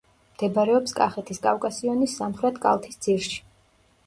მდებარეობს კახეთის კავკასიონის სამხრეთ კალთის ძირში.